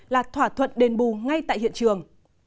hoặc thỏa thuận đền bù ngay tại hiện trường